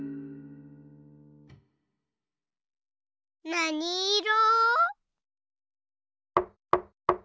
なにいろ？